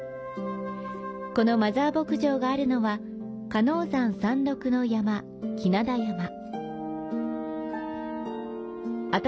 このマザー牧場があるのは鹿野山山麓の山、鬼泪山。